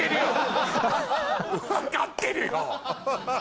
分かってるよ！